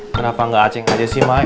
kenapa gak acing aja sih mak